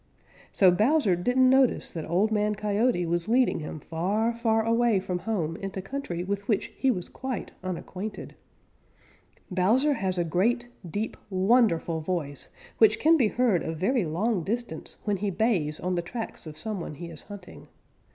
So Bowser didn't notice that Old Man Coyote was leading him far, far away from home into country with which he was quite unacquainted. Bowser has a great, deep, wonderful voice which can be heard a very long distance when he bays on the tracks of some one he is hunting.